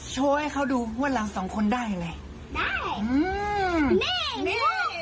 โชว์ให้เขาดูว่าเราสองคนได้อะไร